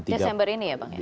desember ini ya bang ya